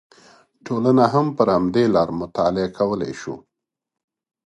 ټولنه هم پر همدې لاره مطالعه کولی شو